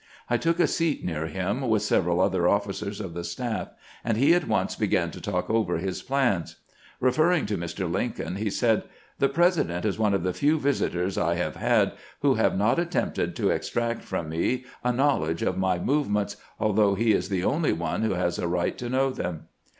I took a seat near him, with several other officers of the staff, and he at once began to talk over his plans. Referring to Mr. Lincoln, he said :" The President is one of the few visitors I have had who have not attempted to extract from me a knowledge of my movements, although he is the only one who has a right to know them.